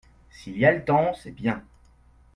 S’il y a le temps c’est bien.